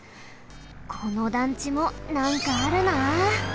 この団地もなんかあるな。